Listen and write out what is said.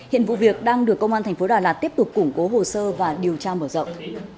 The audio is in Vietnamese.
hiện vụ việc đang được công an thành phố đà lạt tiếp tục củng cố hồ sơ và điều tra mở rộng